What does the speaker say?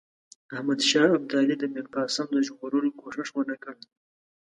احمدشاه ابدالي د میرقاسم د ژغورلو کوښښ ونه کړ.